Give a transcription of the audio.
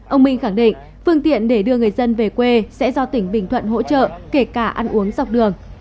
ông minh khẳng định phương tiện để đưa người dân về quê sẽ do tỉnh bình thuận hỗ trợ kể cả ăn uống dọc đường